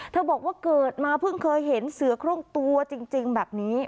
บอกว่าเกิดมาเพิ่งเคยเห็นเสือโครงตัวจริงแบบนี้